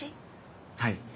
はい。